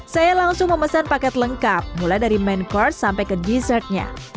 saya langsung memesan paket lengkap mulai dari main course sampai ke dessertnya